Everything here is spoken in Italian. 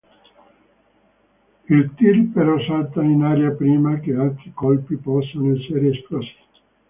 Il tir però salta in aria prima che altri colpi possano essere esplosi.